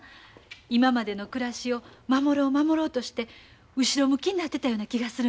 今までの暮らしを守ろう守ろうとして後ろ向きになってたような気がするんや。